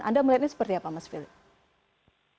anda melihatnya seperti apa mas philip